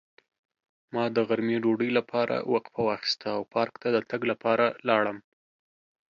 ما د غرمې ډوډۍ لپاره وقفه واخیسته او پارک ته د تګ لپاره لاړم.